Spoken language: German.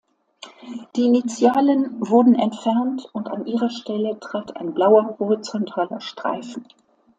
Die Initialen wurden entfernt und an ihrer Stelle trat ein blauer, horizontaler Streifen.